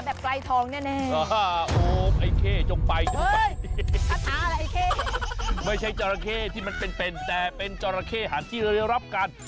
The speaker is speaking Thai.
เอาจาระเข้ขึ้นรถทัวต์ขึ้นเครื่องบิน